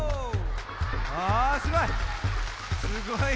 あすごい！